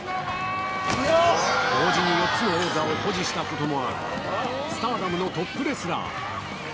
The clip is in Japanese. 同時に４つの王座を保持したこともある、スターダムのトップレスラー。